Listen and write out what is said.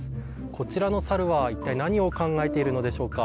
こちらのサルは一体何を考えているのでしょうか。